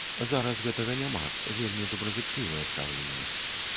Зараз гэтага няма, вельмі добразычлівае стаўленне.